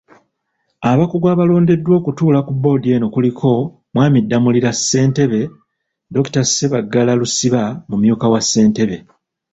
Abakugu abalondeddwa okutuula ku boodi eno kuliko; Mw.Damulira Ssentebe, Dr. Ssebaggala Lusiba mumyuka wa ssentebe.